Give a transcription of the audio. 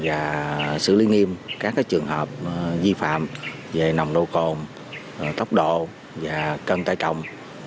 và xử lý nghiêm các trường hợp vi phạm về nồng độ cồn tốc độ và cân tải trọng